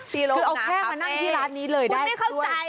คือเอาแพร่มานั่งที่ร้านนี้เลยได้ด้วย